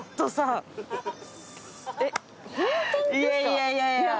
いやいやいやいや。